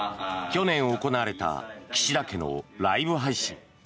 去年行われた岸田家のライブ配信。